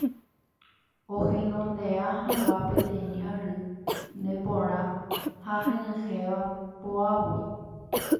ohenonde'a hag̃ua peteĩ ary neporã ha henyhẽva po'águi